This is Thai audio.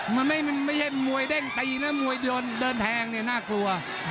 ไม่ให้มวยเด้งตีไม่ให้มวยเดินแทงน่ากลัว